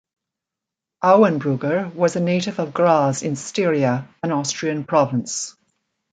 Auenbrugger was a native of Graz in Styria, an Austrian province.